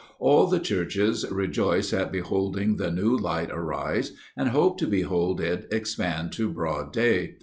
All the churches rejoice at beholding the new light arise, and hope to behold it expand to broad day.